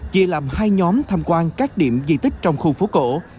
chia làm hai nhóm tham quan các điểm di tích trong khu phố cổ